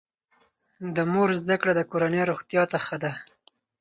د مور زده کړه د کورنۍ روغتیا ته ښه ده.